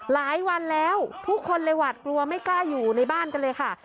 หลายวันแล้วทุกคนเลยหวาดกลัวไม่กล้าอยู่ในบ้านกันเลยค่ะ